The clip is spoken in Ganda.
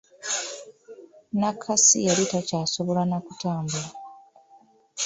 Nakasi yali takyasobola na kutambula.